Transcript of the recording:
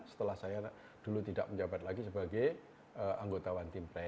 setelah saya dulu tidak menjabat lagi sebagai anggotawan tim